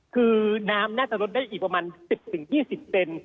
คือน้ำน่าจะลดได้อีกประมาณ๑๐๒๐เซน